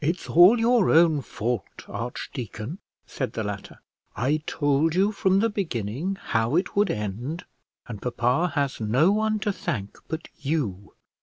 "It's all your own fault, archdeacon," said the latter. "I told you from the beginning how it would end, and papa has no one to thank but you."